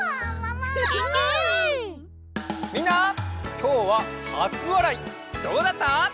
きょうははつわらいどうだった？